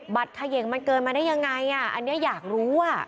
บัตรเขยังมันเกินมาได้อย่างไรอันนี้อยากรู้